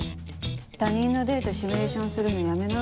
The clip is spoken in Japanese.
他人のデートシミュレーションするのやめな。